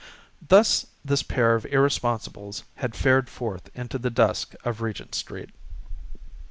Thus this pair of irresponsibles had fared forth into the dusk of Regent Street.